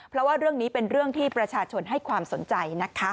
เพราะว่าเรื่องนี้เป็นเรื่องที่ประชาชนให้ความสนใจนะคะ